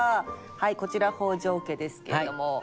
はいこちら北条家ですけども。